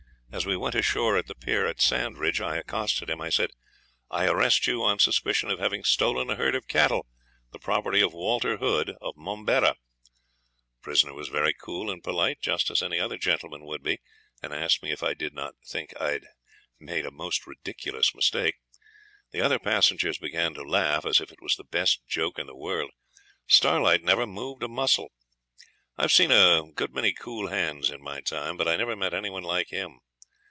As we went ashore at the pier at Sandridge I accosted him. I said, "I arrest you on suspicion of having stolen a herd of cattle, the property of Walter Hood, of Momberah." Prisoner was very cool and polite, just as any other gentleman would be, and asked me if I did not think I'd made a most ridiculous mistake. The other passengers began to laugh, as if it was the best joke in the world. Starlight never moved a muscle. I've seen a good many cool hands in my time, but I never met any one like him.